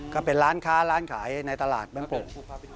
ก็เป็นร้านค้าร้านขายในตลาดบางโป่ง